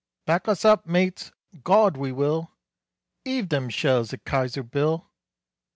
"Back us up, mates!" "Gawd, we will!" "'Eave them shells at Kaiser Bill!"